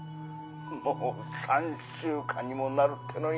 もう３週間にもなるってのに。